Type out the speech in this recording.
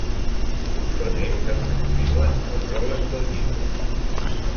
Són ells els que escriuen el pròleg del llibre.